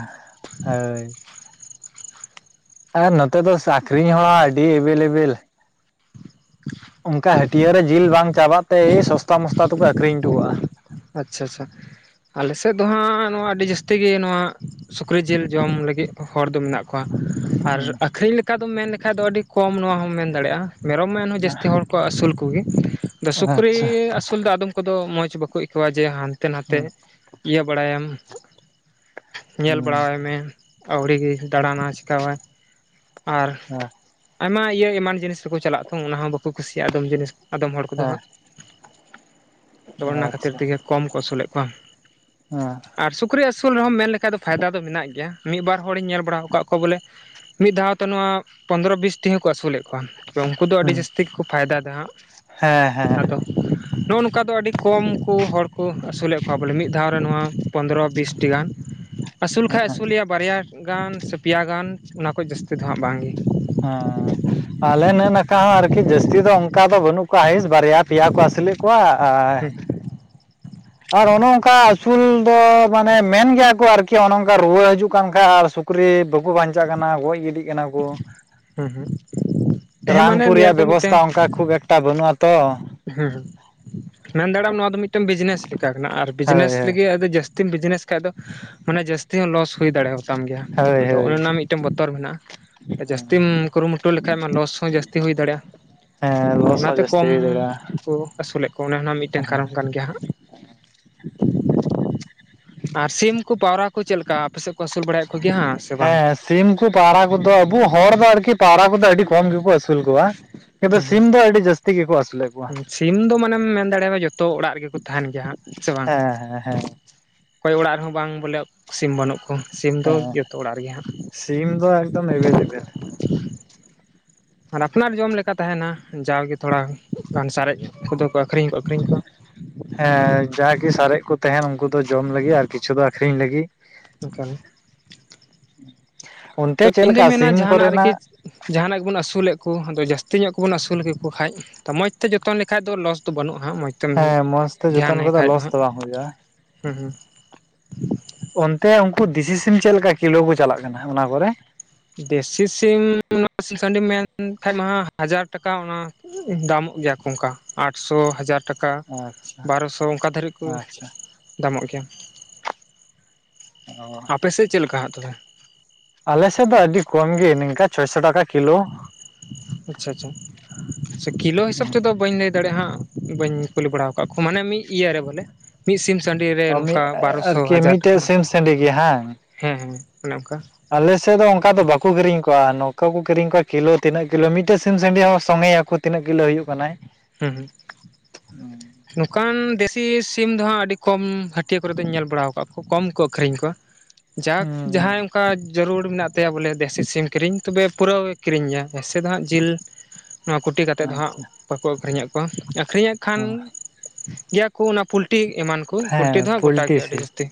ᱦᱳᱭ ᱟᱨ ᱱᱚᱛᱮ ᱫᱚ ᱥᱠᱨᱤᱧ ᱦᱚᱸ ᱟᱹᱰᱤ ᱮᱵᱮᱞ ᱮᱵᱮᱞ᱾ [inaudible] ᱚᱱᱠᱟ ᱦᱟᱹᱴᱭᱮ ᱡᱤᱞ ᱵᱟᱝ ᱪᱟᱵᱟᱜ ᱛᱮ ᱥᱚᱥᱛᱟ ᱢᱚᱥᱛᱟ ᱛᱮᱠᱚ ᱟᱹᱠᱷᱨᱤᱧᱟ ᱦᱚᱴᱚ ᱠᱚᱜᱼᱟ᱾ ᱟᱪᱪᱷᱟ ᱪᱷᱟ ᱪᱷᱟ᱾ ᱟᱞᱮ ᱥᱮᱫ ᱫᱚ ᱦᱟᱸᱜ ᱱᱚᱶᱟ ᱟᱹᱰᱤ ᱡᱟᱹᱥᱛᱤ ᱜᱮ ᱱᱚᱶᱟ ᱥᱩᱠᱨᱤ ᱡᱤᱞ ᱡᱚᱢ ᱞᱟᱹᱜᱤᱫ ᱦᱚᱲ ᱫᱚ ᱢᱮᱱᱟᱜ ᱟᱨ ᱦᱩᱸ ᱟᱹᱠᱷᱨᱤᱧ ᱞᱮᱠᱟ ᱫᱚᱢ ᱢᱮᱱ ᱞᱮᱠᱷᱟᱱ ᱫᱚ ᱟᱹᱰᱤ ᱠᱚᱢ ᱱᱚᱣᱟ ᱦᱚᱸᱚᱢ ᱢᱮᱱ ᱫᱟᱲᱮᱭᱟᱜᱼᱟ᱾ ᱢᱮᱨᱚᱢ ᱢᱟ ᱮᱱ ᱦᱚᱸ ᱡᱟᱹᱥᱛᱤ ᱦᱚᱲ ᱠᱚ ᱟᱹᱥᱩᱞ ᱠᱚᱜᱮ ᱟᱫᱚ ᱥᱩᱠᱨᱤ ᱟᱪᱪᱷᱟ ᱟᱹᱥᱩᱞ ᱫᱚ ᱟᱫᱚᱢ ᱠᱚᱫᱚ ᱢᱚᱡᱽ ᱵᱟᱠᱚ ᱟᱹᱠᱟᱹᱜ ᱠᱚᱣᱟ ᱡᱮ ᱦᱟᱱᱛᱮ ᱱᱷᱟᱛᱮ ᱦᱩᱸ ᱤᱭᱟᱹ ᱵᱟᱲᱟᱭᱟᱢ ᱧᱮᱞ ᱦᱩᱸ ᱵᱟᱲᱟᱭᱟᱭ ᱢᱮ ᱟᱹᱣᱨᱤᱤᱜᱮ ᱫᱟᱬᱟᱱᱟ ᱪᱤᱠᱟᱹᱣᱟᱭ ᱟᱨ ᱦᱮᱸ ᱟᱭᱢᱟ ᱤᱭᱟᱹ ᱮᱢᱟᱱ ᱡᱤᱱᱤᱥ ᱨᱮᱠᱚ ᱪᱟᱞᱟᱜ ᱟ ᱛᱚ ᱚᱱᱟ ᱦᱚᱸ ᱵᱟᱠᱚ ᱠᱩᱥᱤᱭᱟᱜᱼᱟ ᱟᱫᱚᱢ ᱡᱤᱱᱤᱥ ᱟᱫᱚᱢ ᱦᱚᱲ ᱠᱚᱫᱚ ᱦᱟᱸᱜ ᱦᱮᱸ ᱚᱱᱟ ᱠᱷᱟᱹᱛᱤᱨ ᱟᱪᱪᱷᱟ ᱛᱮᱜᱮ ᱠᱚᱢ ᱠᱚ ᱟᱹᱥᱩᱞᱮᱫ ᱠᱚᱣᱟ ᱦᱮᱸ ᱟᱨ ᱥᱩᱠᱨᱤ ᱟᱹᱥᱩᱞ ᱨᱮᱦᱚᱸ ᱢᱮᱱ ᱞᱮᱠᱷᱟᱡ ᱫᱚ ᱯᱷᱟᱭᱫᱟ ᱫᱚ ᱢᱮᱱᱟᱜ ᱜᱮᱭᱟ ᱢᱤᱫ ᱵᱟᱨ ᱦᱚᱲᱤᱧ ᱧᱮᱞ ᱵᱟᱲᱟ ᱟᱠᱟᱫ ᱠᱚᱣᱟ ᱵᱚᱞᱮ ᱢᱤᱫ ᱫᱷᱟᱣ ᱛᱮ ᱱᱚᱶᱟ ᱯᱚᱸᱫᱽᱨᱚ ᱵᱤᱥ ᱴᱤᱡ ᱠᱚ ᱟᱹᱥᱩᱞᱮᱫ ᱩᱱᱠᱩ ᱫᱚ ᱟᱹᱰᱤ ᱦᱩᱸ ᱡᱟᱹᱥᱛᱤ ᱜᱮᱠᱚ ᱯᱷᱟᱭᱫᱟ ᱮᱫᱟ ᱦᱟᱸᱜ ᱦᱮᱸ ᱦᱮᱸ ᱟᱫᱚ ᱱᱚᱜᱼᱚᱭ ᱱᱚᱝᱠᱟ ᱫᱚ ᱟᱹᱰᱤ ᱠᱚᱢ ᱩᱱᱠᱩ ᱦᱚᱲ ᱠᱚ ᱟᱹᱥᱩᱞᱮᱫ ᱠᱚᱣᱟ ᱵᱚᱞᱮ ᱢᱤᱫ ᱫᱷᱟᱣ ᱨᱮ ᱱᱚᱶᱟ ᱯᱚᱱᱫᱽᱨᱚ ᱵᱤᱥ ᱴᱤᱡ ᱜᱟᱱ ᱟᱹᱥᱩᱞ ᱠᱷᱟᱱᱡ ᱦᱮᱸ ᱟᱹᱥᱩᱞᱮᱭᱟ ᱵᱟᱨᱭᱟ ᱜᱟᱱ ᱥᱮ ᱯᱮᱭᱟ ᱜᱟᱱ ᱚᱱᱟ ᱠᱚ ᱡᱟᱹᱥᱛᱤ ᱫᱚ ᱦᱟᱸᱜ ᱵᱟᱝᱜᱮ ᱦᱟᱸ ᱟᱞᱮ ᱱᱮ ᱱᱟᱠᱷᱟ ᱦᱚᱸ ᱟᱨᱠᱤ ᱡᱟᱹᱥᱛᱤ ᱫᱚ ᱚᱱᱠᱟ ᱫᱚ ᱵᱟᱹᱱᱩᱜ ᱠᱚᱣᱟ ᱦᱟᱭᱥ ᱵᱟᱨᱭᱟ ᱯᱮᱭᱟ ᱟᱥᱩᱞᱮᱫ ᱠᱚᱣᱟᱜ ᱟᱼ ᱦᱮᱸ ᱟᱨ ᱚᱱᱮ ᱚᱱᱠᱟ ᱟᱹᱥᱩᱞ ᱫᱚ ᱢᱟᱱᱮ ᱢᱮᱱ ᱜᱮᱭᱟ ᱠᱚ ᱟᱨᱠᱤ ᱚᱱᱮ ᱚᱱᱠᱟ ᱨᱩᱣᱟᱹ ᱦᱤᱡᱩᱜ ᱠᱟᱱ ᱠᱷᱟᱱ ᱟᱨ ᱥᱩᱠ ᱥᱩᱠᱨᱤ ᱵᱟᱠᱚ ᱵᱟᱧᱪᱟᱜ ᱠᱟᱱᱟ ᱜᱚᱡ ᱜᱤᱰᱤᱜ ᱠᱟᱱᱟ ᱠᱚ ᱦᱮᱸ ᱦᱮᱸ ᱦᱮᱸ ᱨᱟᱱ ᱢᱟᱱᱮ ᱠᱚ ᱱᱤᱭᱟᱹ ᱨᱮᱭᱟᱜ ᱫᱚ ᱵᱮᱵᱚᱥᱛᱟ ᱢᱤᱫᱴᱟᱝ ᱚᱱᱠᱟ ᱠᱷᱩᱵ ᱮᱠᱴᱟ ᱵᱟᱹᱱᱩᱜᱼᱟ ᱛᱚ ᱦᱮᱸ ᱢᱮᱱ ᱫᱟᱲᱮᱭᱟᱜᱢ ᱱᱚᱶᱟ ᱫᱚ ᱢᱤᱫᱴᱟᱝ ᱵᱤᱡᱽᱱᱮᱥ ᱞᱮᱠᱟ ᱠᱟᱱᱟ ᱟᱨ ᱦᱳᱭ ᱵᱤᱡᱽᱱᱮᱥ ᱞᱟᱹᱜᱤᱫ ᱦᱳᱭ ᱟ ᱡᱟᱹᱥᱛᱤ ᱛᱤᱢ ᱵᱤᱡᱽᱱᱮᱥ ᱠᱷᱟᱡ ᱫᱚ ᱢᱟᱱᱮ ᱡᱟᱹᱥᱛᱤ ᱦᱚᱸ ᱞᱚᱥ ᱦᱩᱭ ᱫᱟᱲᱮᱭᱟᱛᱟᱢ ᱜᱮᱭᱟ ᱦᱳᱭ ᱚᱱᱮ ᱦᱳᱭ ᱚᱱᱟ ᱨᱮᱱᱟᱜ ᱢᱤᱫ ᱴᱮᱱ ᱵᱚᱛᱚᱨ ᱢᱮᱱᱟᱜᱼᱟ ᱡᱟᱹᱥᱛᱤᱢ ᱠᱩᱨᱩᱢᱴᱩ ᱞᱮᱠᱷᱟᱡ ᱢᱟ ᱞᱚᱥ ᱦᱚᱸ ᱡᱟᱹᱥᱛᱤ ᱦᱩᱭ ᱫᱟᱲᱮᱭᱟᱜᱼᱟ ᱦᱮᱸ ᱟᱫᱚ ᱞᱚᱥ ᱦᱚᱸ ᱚᱱᱟᱛᱮ ᱡᱟᱹᱥᱛᱤ ᱠᱚᱢ ᱦᱩᱭ ᱫᱟᱲᱮᱭᱟᱜᱼᱟ ᱠᱚ ᱟᱹᱥᱩᱞᱮᱫ ᱠᱚᱣᱟ ᱚᱱᱮ ᱚᱱᱟ ᱨᱮᱱᱟᱜ ᱢᱤᱫᱴᱮᱱ ᱠᱟᱨᱚᱱ ᱠᱟᱱ ᱜᱮᱭᱟ ᱦᱟᱸᱜ ᱟᱨ ᱥᱤᱢ ᱠᱚ ᱯᱟᱣᱨᱟ ᱠᱚ ᱪᱮᱫᱞᱮᱠᱟ ᱟᱯᱮ ᱥᱮᱫ ᱠᱚ ᱟᱹᱥᱩᱞ ᱵᱟᱲᱟᱭᱮᱫ ᱠᱚᱜᱮᱭᱟ ᱦᱮᱸ ᱦᱮᱸ ᱥᱤᱢ ᱠᱚ ᱯᱟᱣᱨᱟ ᱠᱚᱫᱚ ᱟᱵᱚ ᱦᱚᱲ ᱫᱚ ᱟᱨᱠᱤ ᱯᱟᱣᱨᱟ ᱠᱚᱫᱚ ᱟᱹᱰᱤ ᱠᱚᱢ ᱜᱮᱠᱚ ᱟᱹᱥᱩᱞ ᱠᱚᱣᱟ ᱛᱚᱵᱮ ᱦᱩᱸ ᱥᱤᱢ ᱫᱚ ᱟᱹᱰᱤ ᱡᱟᱹᱥᱛᱤ ᱜᱮᱠᱚ ᱟᱹᱥᱩᱞᱮᱫ ᱠᱚᱣᱟ ᱦᱩᱸ ᱥᱤᱢ ᱫᱚ ᱢᱟᱱᱮᱢ ᱢᱮᱱ ᱫᱟᱲᱮᱭᱟᱜᱼᱟ ᱡᱚᱛᱚ ᱚᱲᱟᱜ ᱨᱮᱜᱮ ᱠᱚ ᱛᱟᱦᱮᱱ ᱜᱮᱭᱟ ᱦᱟᱸᱜ ᱥᱮ ᱵᱟᱝ? ᱦᱮᱸ ᱦᱮᱸ ᱦᱮᱸ ᱚᱠᱚᱭ ᱚᱲᱟᱜ ᱨᱮᱦᱚᱸ ᱵᱟᱝ ᱵᱚᱞᱮ ᱥᱤᱢ ᱵᱟᱹᱱᱩᱜ ᱠᱚᱣᱟ ᱥᱤᱢ ᱫᱚ ᱦᱮᱸ ᱡᱚᱛᱚ ᱚᱲᱟᱜ ᱨᱮᱜᱮ ᱦᱟᱸᱜ ᱥᱤᱢ ᱫᱚ ᱮᱠᱫᱚᱢ ᱮᱵᱮᱞᱮᱵᱮᱞ ᱟᱨ ᱟᱯᱱᱟᱨ ᱡᱚᱢ ᱞᱮᱠᱟ ᱛᱟᱦᱮᱱᱟ ᱡᱟᱣᱜᱮ ᱛᱷᱚᱲᱟ ᱜᱟᱱ ᱥᱟᱨᱮᱡ ᱠᱚᱫᱚ ᱠᱚ ᱟᱹᱷᱨᱤᱧ ᱠᱚ ᱟᱹᱠᱷᱨᱤᱧ ᱠᱚᱣᱟ ᱦᱮᱸ ᱡᱟᱜᱤ ᱥᱟᱨᱮᱡ ᱠᱚ ᱛᱟᱦᱮᱱ ᱩᱱᱠᱩ ᱫᱚ ᱡᱚᱢ ᱞᱟᱹᱜᱤᱫ ᱟᱨ ᱠᱤᱪᱷᱩ ᱫᱚ ᱟᱠᱷᱨᱤᱧ ᱞᱟᱹᱜᱤᱫ ᱮᱠᱟᱞ ᱚᱱᱛᱮ ᱛᱚ ᱤᱧ ᱫᱩᱧ ᱪᱮᱫᱞᱮᱠᱟ ᱢᱮᱱᱟ ᱥᱤᱢ ᱡᱟᱦᱟᱱᱟᱜ ᱨᱮᱜᱮ ᱠᱚᱨᱮᱱᱟᱜ? ᱡᱟᱦᱟᱱᱟᱜ ᱜᱮᱵᱚᱱ ᱟᱹᱥᱩᱞᱮᱫ ᱠᱚ ᱟᱫᱚ ᱡᱟᱹᱥᱛᱤ ᱧᱚᱜ ᱠᱚᱵᱚᱱ ᱟᱹᱥᱩᱞ ᱠᱮᱠᱚ ᱠᱷᱟᱡ ᱛᱚ ᱢᱚᱡᱽ ᱛᱮ ᱡᱚᱛᱚᱱ ᱞᱮᱠᱷᱟᱡ ᱫᱚ ᱞᱚᱥ ᱫᱚ ᱵᱟᱹᱱᱩᱜᱼᱟᱟᱸᱜ ᱢᱚᱡᱽ ᱛᱮ ᱦᱮᱸ ᱢᱚᱸᱡ ᱛᱮ ᱡᱚᱛᱚᱱ ᱠᱟᱛᱮ ᱞᱚᱥ ᱫᱚ ᱵᱟᱝ ᱦᱩᱭᱩᱜᱼᱟ ᱦᱩᱸ ᱦᱩᱸ ᱚᱱᱛᱮ ᱩᱱᱠᱩ ᱫᱤᱥᱤ ᱥᱤᱢ ᱪᱮᱫ ᱞᱮᱠᱟ ᱠᱤᱞᱟᱹ ᱠᱚ ᱪᱟᱞᱟᱜ ᱠᱟᱱᱟ ᱚᱱᱟ ᱠᱚᱨᱮ ᱫᱮᱥᱤ ᱥᱤᱢ ᱥᱤᱢ ᱥᱟᱺᱰᱤ ᱢᱮᱱᱠᱷᱟᱱ ᱢᱟ ᱦᱟᱡᱟᱨ ᱴᱟᱠᱟ ᱚᱱᱟ, ᱫᱟᱢᱚᱜ ᱜᱮᱭᱟ ᱠᱚ ᱚᱱᱠᱟ ᱟᱴᱥᱚ ᱦᱟᱡᱟᱨ ᱴᱟᱠᱟ ᱟᱪᱪᱷᱟ ᱵᱟᱨᱚ ᱥᱚ ᱚᱱᱠᱟ ᱫᱷᱟᱹᱨᱤᱡ ᱠᱚ ᱟᱪᱪᱷᱟ ᱫᱟᱢᱚᱜ ᱜᱮᱭᱟ, ᱚ ᱟᱯᱮ ᱥᱮᱫ ᱪᱮᱫ ᱞᱮᱠᱟ ᱦᱟᱸᱜ ᱛᱟᱚᱵᱮ? ᱟᱞᱮ ᱥᱮᱫ ᱫᱚ ᱟᱹᱰᱤ ᱠᱚᱢ ᱜᱮ ᱱᱤᱝᱠᱟ, ᱪᱷᱚᱭ ᱥᱚ ᱴᱟᱠᱟ ᱠᱤᱞᱳ, ᱟᱪᱪᱷᱟ ᱟᱪᱪᱷᱟ ᱠᱤᱞᱳ ᱦᱤᱥᱟᱹᱵ ᱛᱮᱫᱚ ᱵᱟᱹᱧ ᱞᱟᱹᱭ ᱫᱟᱲᱮᱭᱟᱜᱼᱟ ᱦᱟᱸᱜ ᱵᱟᱹᱧ ᱠᱩᱞᱤ ᱵᱟᱲ ᱟᱠᱟᱫ ᱠᱚᱣᱟ ᱢᱟᱱᱮ ᱢᱤᱫ ᱤᱭᱟᱹᱨᱮ ᱵᱚᱞᱮ, ᱢᱤᱫ ᱥᱤᱢ ᱥᱟᱺᱰᱤ ᱨᱮ ᱱᱚᱝᱠᱟ ᱵᱟᱨᱚᱥᱚ ᱟᱨᱠᱤ ᱦᱟᱡᱟᱨ ᱴᱟᱠᱟ ᱢᱤᱫᱴᱮᱡ ᱥᱤᱢ ᱥᱟᱺᱰᱤ ᱦᱮᱸ ᱦᱮᱸ ᱚᱱᱮ ᱚᱱᱠᱟ, ᱟᱞᱮᱥᱮᱫ ᱫᱚ ᱚᱝᱠᱟ ᱫᱚ ᱵᱟᱠᱚ ᱠᱤᱨᱤᱧ ᱠᱚᱣᱟ ᱱᱚᱝᱠᱟ ᱠᱚ ᱠᱤᱨᱤᱧ ᱠᱚᱣᱟ ᱠᱤᱞᱳ ᱛᱤᱱᱟᱹᱜ ᱠᱤᱞᱳ ᱢᱤᱫᱴᱮᱡ ᱥᱤᱢ ᱥᱟᱺᱰᱤ ᱦᱚᱸ ᱥᱚᱸᱜᱮᱭᱟᱠᱚ ᱛᱤᱱᱟᱹᱜ ᱠᱤᱞᱳ ᱦᱳᱭᱳᱜ ᱠᱟᱱᱟᱭ᱾ ᱦᱩᱸ ᱦᱩᱸ ᱱᱚᱝᱠᱟᱱ ᱫᱮᱥᱤ ᱥᱤᱢ ᱫᱚᱦᱟᱸᱜ ᱟᱹᱰᱤ ᱠᱚᱢ ᱦᱟᱹᱴᱤᱭᱟᱹ ᱠᱚᱨᱮ ᱫᱚᱧ ᱧᱮᱞ ᱵᱟᱲᱟ ᱟᱠᱟᱫ ᱠᱚ ᱠᱚᱢ ᱠᱚ ᱟᱹᱠᱷᱨᱤᱧ ᱠᱚᱣᱟ᱾ ᱡᱟᱠ ᱦᱩᱸ ᱡᱟᱦᱟᱸᱭ ᱚᱱᱠᱟ ᱡᱟᱹᱨᱩᱲ ᱢᱮᱱᱟᱜ ᱛᱟᱭᱟ ᱵᱚᱞᱮ ᱫᱮᱥᱤ ᱥᱤᱢ ᱠᱤᱨᱤᱧ ᱛᱚᱵᱮ ᱯᱩᱨᱟᱹᱣᱮ ᱠᱤᱨᱤᱧᱮᱭᱟ ᱥᱮ ᱫᱚ ᱦᱟᱸᱜ ᱡᱤᱞ ᱱᱚᱣᱟ ᱠᱩᱴᱤ ᱠᱟᱛᱮᱫ ᱫᱚ ᱦᱟᱸᱜ ᱟᱪᱪᱷᱟ ᱵᱟᱠᱚ, ᱟᱹᱠᱷᱨᱤᱧᱮᱫ ᱠᱚᱣᱟ ᱟᱹᱠᱷᱨᱤᱧᱮᱫ ᱠᱷᱟᱱ ᱜᱮᱭᱟ ᱠᱚ ᱚᱱᱟ ᱯᱩᱞ ᱴᱤ ᱮᱢᱟᱱ ᱠᱚ ᱯᱞᱞᱴᱤ ᱫᱚ ᱦᱮᱸ ᱦᱟᱜ ᱜᱚᱴᱟ ᱯᱳᱞᱴᱤ ᱜᱮᱭᱟ ᱟᱹᱰᱤ ᱥᱤᱢ ᱡᱟᱹᱥᱛᱤ᱾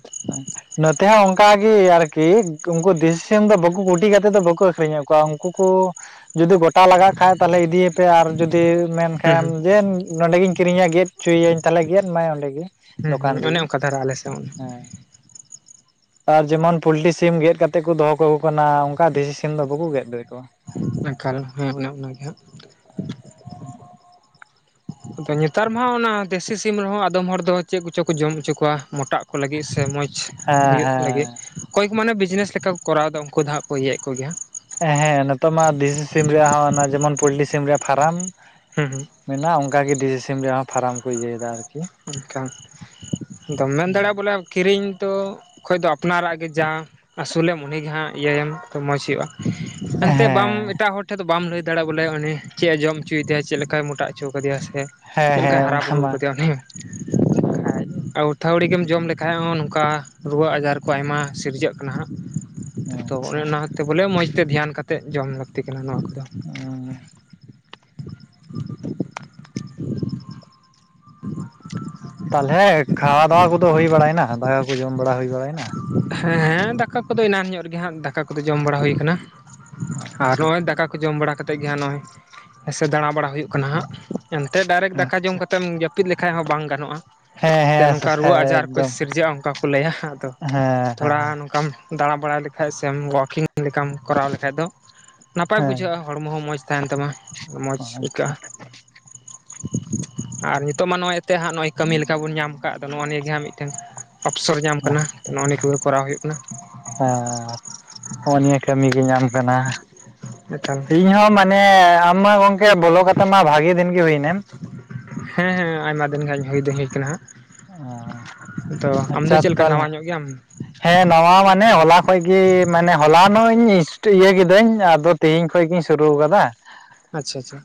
[unintelligible] ᱱᱚᱛᱮ ᱦᱚᱸ ᱚᱱᱠᱟᱜᱤ ᱟᱨᱠᱤ ᱩᱱᱠᱩ ᱫᱤᱥᱤ ᱥᱤᱢ ᱫᱚ ᱵᱟᱠᱩ ᱠᱩᱴᱤ ᱠᱟᱛᱮᱫ ᱫᱚ ᱵᱟᱠᱚ ᱟᱠᱷᱨᱤᱧᱮᱫ ᱠᱚᱣᱟ ᱩᱱᱠᱩ ᱠᱚ ᱡᱩᱫᱤ ᱜᱚᱴ ᱛᱟ ᱞᱟᱜᱟᱜ ᱠᱷᱟᱡ ᱛᱟᱦᱚᱞᱮ ᱤᱫᱤᱭᱮᱯᱮ ᱟᱨ ᱡᱩᱫᱤ ᱢᱮᱱ ᱠᱷᱟᱱ ᱦᱩᱸ ᱡᱮ ᱱᱚᱸᱰᱮᱜᱮᱧ ᱠᱤᱨᱤᱧᱟ ᱜᱮᱫ ᱦᱚᱪᱚᱭᱟᱹᱧ ᱛᱟᱦᱚᱞᱮ ᱜᱮᱫ ᱢᱟᱭ ᱚᱸᱰᱮ ᱜᱮ ᱫᱚᱠᱟᱱ ᱨᱮᱜᱮ ᱟᱨᱟ ᱟᱞᱮ ᱥᱮᱫ ᱦᱮᱸ ᱟᱨ ᱡᱮᱢᱚᱱ ᱯᱚᱞᱴᱤ ᱥᱤᱢ ᱜᱮᱫ ᱠᱟᱛᱮᱫ ᱠᱚ ᱫᱚᱦᱚ ᱠᱟᱠᱚ ᱠᱟᱱᱟ ᱚᱱᱠᱟ ᱫᱮᱥᱤ ᱥᱤᱢ ᱫᱚ ᱵᱟᱠᱚ ᱜᱮᱫ ᱫᱟᱲᱮᱠᱩᱣᱟ ᱮᱠᱷᱟᱞ ᱦᱮᱸ ᱚᱱᱮ ᱚᱱᱟᱜᱮ ᱦᱟᱸᱜ [unintelligible] ᱟ ᱱᱮᱛᱟᱨ ᱢᱟ ᱚᱱᱟ ᱫᱮᱥᱤ ᱥᱤᱢ ᱨᱮᱦᱚᱸ ᱟᱫᱚᱢ ᱦᱚᱲ ᱫᱚ ᱪᱮᱫ ᱠᱚᱪᱚ ᱠᱚ ᱡᱚᱢ ᱦᱚᱪᱚ ᱠᱚᱣᱟ ᱢᱚᱴᱟᱜ ᱠᱚ ᱞᱟᱹᱜᱤᱫ ᱥᱮ ᱢᱚᱸᱡᱽ ᱦᱮᱸ ᱦᱩᱭᱩᱜ ᱞᱟᱹᱜᱤᱫ᱾ ᱠᱚᱠᱚᱭ ᱠᱚ ᱢᱟᱱᱮ ᱵᱤᱡᱽᱱᱮᱥ ᱞᱮᱠᱟ ᱠᱚᱨᱟᱣ ᱮᱫᱟ ᱩᱱᱠᱩ ᱫᱚ ᱦᱟᱸᱜ ᱠᱚ ᱤᱭᱟᱹᱭᱮᱫ ᱠᱚ ᱜᱮᱭᱟ᱾ ᱦᱮᱸ ᱱᱤᱛᱚᱜ ᱢᱟ ᱫᱤᱥ ᱥᱤᱢ ᱨᱮᱭᱟᱜ ᱦᱚᱸ ᱡᱮᱢᱚᱱ ᱯᱳᱞᱴᱤ ᱥᱤᱢ ᱨᱮᱭᱟᱜ ᱯᱷᱟᱨᱟᱢ ᱦᱩᱸ ᱦᱩᱸ ᱢᱮᱱᱟᱜᱼᱟ ᱚᱱᱠᱟᱜ ᱜᱮ ᱰᱤᱡᱤ ᱥᱤᱢ ᱨᱮᱭᱟᱜ ᱦᱚᱸ ᱯᱷᱟᱨᱟᱢ ᱠᱚ ᱤᱭᱟᱹᱭᱮᱫᱟ ᱟᱨᱠᱤ᱾ ᱮᱱᱠᱷᱟᱱ ᱟᱫᱚᱢ ᱢᱮᱱ ᱫᱟᱲᱮᱭᱟᱜᱼᱟ ᱵᱚᱞᱮ ᱠᱤᱨᱤᱧ ᱛᱚ ᱠᱷᱚᱡ ᱫᱚ ᱟᱯᱱᱟᱨᱟᱜ ᱜᱮ ᱡᱟ ᱟᱹᱥᱩᱞᱮᱢ ᱩᱱᱤᱜᱮ ᱦᱟᱸᱜ ᱤᱭᱟᱹᱭᱮᱢ ᱛᱚ ᱢᱚᱸᱡᱽ ᱦᱩᱭᱩᱜᱼᱟ᱾ ᱮᱱᱛᱮ ᱵᱟᱢ ᱦᱮᱸ ᱮᱴᱟᱜ ᱦᱚᱲ ᱟ ᱴᱷᱮᱱ [unintelligible] ᱫᱚ ᱵᱟᱢ ᱞᱟᱹᱭ ᱫᱟᱲᱮᱭᱟᱜᱼᱟ ᱵᱚᱞᱮ ᱩᱱᱤ ᱪᱮᱫ ᱮ ᱡᱚᱢ ᱚᱪᱚᱭᱮᱭᱟ ᱪᱮᱫ ᱞᱮᱠᱟᱭ ᱢᱚᱴᱟ ᱚᱪᱚᱣ ᱟᱠᱟᱫᱮᱭᱟ ᱥᱮ ᱪᱮᱫ ᱞᱮᱠᱟᱭ ᱦᱟᱨᱟ ᱵᱩᱨᱩ ᱟᱠᱟᱫᱮᱭᱟ ᱩᱱᱤ᱾ ᱦᱟᱸ ᱦᱟᱸ ᱟᱹᱣᱛᱷᱣᱟᱹᱲᱤ ᱜᱮᱢ ᱡᱚᱢ ᱞᱮᱠᱷᱟᱡ ᱦᱚᱸ ᱱᱚᱝᱠᱟ ᱨᱩᱣᱟᱹ ᱟᱡᱟᱨ ᱠᱚ ᱟᱭᱢᱟ ᱥᱤᱨᱡᱟᱹᱜ ᱠᱟᱱᱟ ᱦᱟᱸᱜ᱾ ᱦᱮᱸ ᱛᱚ ᱚᱱᱮ ᱟᱪᱪᱷᱟ ᱚᱱᱟᱛᱮ ᱵᱚᱞᱮ ᱢᱚᱸᱡᱽ ᱛᱮ ᱫᱷᱮᱭᱟᱱᱠᱟᱛᱣ ᱡᱚᱢ ᱞᱟᱹᱠᱛᱤ ᱠᱟᱱᱟ ᱱᱚᱣᱟ ᱠᱚᱫᱚ᱾ [unintelligible] ᱞᱮ ᱠᱷᱟᱣᱟ ᱫᱣᱟ ᱠᱚᱫᱚ ᱦᱳᱭ ᱵᱟᱲᱟᱭᱮᱱᱟ ᱫᱟᱠᱟ ᱠᱚ ᱡᱚᱢ ᱵᱟᱲᱟ ᱦᱳᱭ ᱵᱟᱲᱟᱭ ᱱᱟ? ᱦᱮᱸ ᱦᱮᱸ ᱫᱟᱠᱟ ᱠᱚᱫᱚ ᱮᱱᱟᱱ ᱧᱚᱜ ᱨᱮᱜᱮ ᱦᱟᱜ ᱫᱟᱠᱟ ᱠᱚᱫᱚ ᱡᱚᱢ ᱵᱟᱲᱟ ᱦᱳᱭ ᱠᱟᱱᱟ ᱾ ᱟᱨ ᱟᱪᱪᱷᱟ ᱨᱚᱦᱚᱭ ᱫᱟᱠᱟ ᱠᱚ ᱡᱚᱢ ᱵᱟᱲᱟ ᱠᱟᱛᱮᱫ ᱜᱮ ᱦᱟᱸᱜ ᱱᱚᱜᱼᱚᱭ ᱥᱮ ᱫᱟᱬᱟᱵᱟᱲᱟ ᱦᱳᱭᱳᱜ ᱠᱟᱱᱟ ᱦᱟᱸᱜ᱾ ᱮᱱᱛᱮᱫ ᱰᱟᱭᱨᱮᱠᱴ ᱫᱟᱠᱟ ᱡᱚᱢ ᱟᱪᱪᱷᱟ ᱠᱟᱛᱮᱢ ᱡᱟᱹᱯᱤᱫ ᱞᱮᱠᱷᱟᱡ ᱦᱚᱸ ᱵᱟᱝ ᱜᱟᱱᱚᱜᱼᱟ᱾ ᱦᱮᱸ ᱮᱱᱛᱮᱫ ᱦᱮᱸ ᱱᱚᱝᱠᱟ ᱨᱩᱣᱟᱹ ᱦᱮᱸ ᱟᱡᱟᱨ ᱠᱚ ᱮᱠᱫᱚᱢ ᱥᱤᱨᱡᱟᱹᱜᱼᱟ ᱚᱱᱠᱟ ᱠᱚ ᱞᱟᱹᱭᱟ ᱦᱟᱝ᱾ ᱦᱮᱸ ᱦᱮᱸ ᱛᱷᱚᱲᱟ ᱱᱚᱝᱠᱟᱢ ᱫᱟᱬᱟ ᱵᱟᱲᱟᱭ ᱞᱮᱠᱷᱟᱡ ᱥᱮ ᱳᱣᱟᱠᱤᱝ ᱞᱮᱠᱟᱢ ᱠᱚᱨᱟᱣ ᱞᱮᱠᱷᱟᱡ ᱫᱚ᱾ ᱱᱟᱯᱟᱭ ᱦᱮᱸ ᱵᱩᱡᱷᱟᱹᱜᱼᱟ ᱦᱚᱲᱢᱚ ᱦᱚᱸ ᱢᱚᱡᱽ ᱛᱟᱦᱮᱱ ᱛᱟᱢᱟ ᱢᱚᱡᱽ ᱟᱪᱪᱷᱟ ᱟᱹᱭᱠᱟᱹᱜᱼᱟ᱾ ᱟᱨ ᱱᱤᱛᱳᱜ ᱢᱟ ᱱᱚᱜᱼᱚᱭ ᱛᱮ ᱦᱟᱸᱜ ᱱᱚᱜᱼᱚᱭ ᱠᱟᱹᱢᱤ ᱞᱮᱠᱟ ᱵᱚᱱ ᱧᱟᱢ ᱠᱟᱜ ᱟᱫᱚ ᱱᱚᱜᱼᱚ ᱱᱤᱭᱟᱹ ᱜᱮ ᱦᱟᱸᱜ ᱢᱤᱫᱴᱮᱱ ᱚᱯᱥᱚᱨ ᱧᱟᱢ ᱠᱟᱱᱟ ᱱᱚᱜᱼᱚᱭ ᱱᱤᱭᱟᱹ ᱠᱚ ᱜᱮ ᱠᱚᱨᱟᱣ ᱦᱩᱭᱩᱜ ᱠᱟᱱᱟ᱾ ᱦᱟᱸ ᱦᱚᱜᱼᱚᱭ ᱱᱤᱭᱟᱹ ᱠᱟᱹᱢᱤ ᱜᱮ ᱧᱟᱢ ᱠᱟᱱᱟ᱾ ᱮᱠᱟᱞ ᱤᱧ ᱦᱚᱸ ᱢᱟᱱ ᱢᱟᱱᱮ ᱟᱢ ᱢᱟ ᱜᱚᱝᱠᱮ ᱵᱚᱞᱚ ᱠᱟᱛᱮ ᱢᱟ ᱵᱷᱟᱜᱤ ᱫᱤᱱ ᱜᱮ ᱦᱳᱭ ᱱᱮᱢ ᱦᱮᱸ ᱦᱮᱸ ᱟᱭᱢᱟ ᱫᱤᱱ ᱜᱟᱱ ᱤᱧ ᱦᱳᱭ ᱫᱚ ᱦᱳᱭ ᱠᱟᱱᱟ ᱦᱟᱜ᱾ ᱛᱚ ᱟᱢ ᱫᱚ ᱟᱪᱪᱷᱟ ᱪᱮᱫ ᱞᱮᱠᱟ ᱱᱟᱣᱟ ᱛᱟᱦᱚᱞᱮ ᱧᱚᱜ ᱜᱮᱭᱟᱢ? ᱦᱮᱸ ᱱᱚᱣᱟ ᱢᱟᱱᱮ ᱦᱚᱞᱟ ᱠᱷᱚᱡ ᱜᱮ, ᱢᱟᱱᱮ ᱦᱚᱞᱟᱱᱧ ᱤᱭᱟᱹ ᱠᱤᱫᱟᱹᱧ ᱟᱫᱚ ᱛᱤᱦᱤᱧ ᱠᱷᱚᱱ ᱜᱮᱤᱧ ᱥᱩᱨᱩ ᱠᱟᱫᱟ᱾ ᱟᱪᱪᱷᱟ ᱟᱪᱪᱷᱟ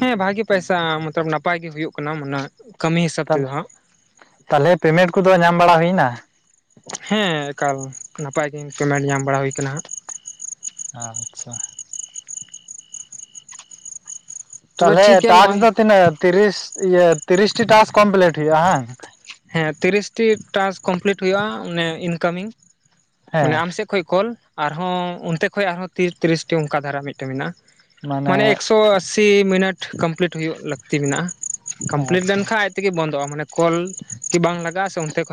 ᱦᱮᱸ ᱵᱷᱟᱜᱮ ᱯᱟᱭᱥᱟ ᱢᱚᱛᱞᱚᱵ ᱱᱟᱯ ᱟᱭ ᱜᱮ ᱦᱩᱭᱩᱜ ᱠᱟᱱᱟ ᱚᱱᱟ ᱠᱟᱹᱢᱤ ᱦᱤᱥᱟᱹᱵ ᱛᱮᱫᱚ ᱦᱟᱸᱜ᱾ ᱛᱟᱦᱚᱞᱮ ᱯᱮᱢᱮᱱᱴ ᱠᱚᱫᱚ ᱧᱟᱢ ᱵᱟᱲᱟ ᱦᱩᱭᱱᱟ? ᱦᱮᱸ ᱮᱠᱟᱞ ᱱᱟᱯᱟᱭ ᱜᱤ ᱯᱮᱢᱮᱱᱴ ᱧᱟᱢ ᱵᱟᱲᱟ ᱦᱩᱭᱠᱟᱱᱟ ᱾ ᱟᱪᱪᱷᱟ ᱛᱚᱵᱮ ᱛᱟᱦᱞᱮ ᱴᱷᱤᱠ ᱜᱮᱭᱟ ᱴᱟᱥᱠ ᱱᱚᱜᱼᱚᱭ ᱫᱚ ᱛᱤᱱᱟᱹᱜ ᱛᱤᱨᱤᱥ ᱛᱤᱨᱤᱥᱴᱤ ᱴᱟᱥᱠ ᱠᱚᱢᱯᱤᱞᱴ ᱦᱩᱭᱩᱜᱭᱼᱟ ᱦᱮᱸ ᱦᱮᱸ ᱛᱤᱨᱤᱥᱴᱤ ᱴᱟᱥᱠ ᱠᱚᱢᱯᱤᱞᱴ ᱦᱩᱭᱩᱜᱼᱟ ᱚᱱᱮ ᱤᱱᱠᱟᱢᱤᱝ ᱢᱟᱱᱮ ᱦᱮᱸ ᱟᱢ ᱥᱮᱫ [unintelligible] ᱠᱚᱞ ᱟᱨᱦᱚᱸ ᱚᱱᱛᱮ ᱠᱷᱚᱱ ᱟᱨᱦᱚᱸ ᱛᱤᱨ ᱛᱤᱨᱤᱥᱴᱤ ᱚᱱᱠᱟ ᱫᱷᱟᱨᱟ ᱢᱤᱫᱴᱮᱱ ᱢᱮᱱᱟᱜᱼᱟ ᱾ ᱢᱟᱱᱮ ᱮᱠᱥᱚ ᱟᱥᱤ ᱢᱤᱱᱤᱴ ᱠᱚᱢᱯᱞᱤᱴ ᱦᱩᱭᱩᱜ ᱞᱟᱹᱠᱛᱤ ᱢᱮᱱᱟᱜᱼᱟ ᱠᱚᱢᱯᱞᱤᱴ ᱟᱪᱪᱷᱟ ᱞᱮᱱ ᱟᱪᱪᱷᱟ ᱠᱷᱟᱡ ᱟᱡ ᱛᱮ ᱜᱮ ᱵᱚᱱᱫᱚᱜᱼᱟ ᱢᱟᱱᱮ ᱠᱚᱞ ᱠᱤ ᱵᱟᱝ ᱞᱟᱜᱟᱜᱼᱟ ᱥᱮ ᱚᱱᱛᱮ ᱠᱷᱚᱱ